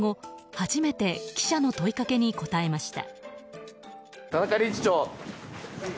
初めて記者の問いかけに答えました。